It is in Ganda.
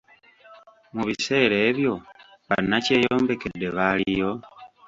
Mu biseera ebyo banakyeyombekedde baaliyo?